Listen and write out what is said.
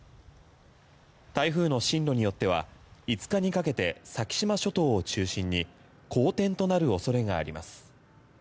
台風の進路によっては５日にかけて先島諸島を中心に荒天となるおそれがあります。